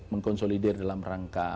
mengkonsolider dalam rangka